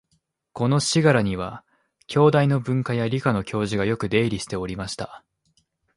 この「信楽」には、京大の文科や理科の教授がよく出入りしておりました